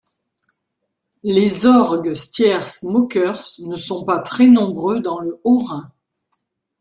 Les orgues Stiehr-Mockers ne sont pas très nombreux dans le Haut-Rhin.